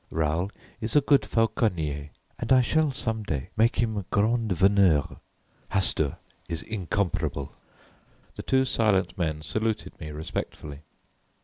"Raoul is a good fauconnier, and I shall some day make him grand veneur. Hastur is incomparable." The two silent men saluted me respectfully.